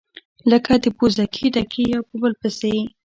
لكه د پوزکي ډَکي يو په بل پسي،